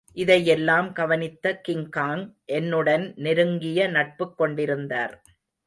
இதையெல்லாம் கவனித்த கிங்காங் என்னுடன் நெருங்கிய நட்புக் கொண்டிருந்தார்.